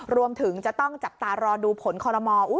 รวมถึงจะต้องจับตารอดูผลคอรมอล